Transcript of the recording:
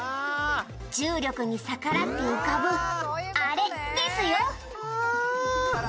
「重力に逆らって浮かぶあれですよ」